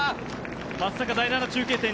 松阪第７中継点。